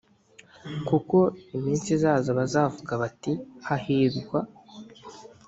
kuko iminsi izaza bazavuga bati hahirwa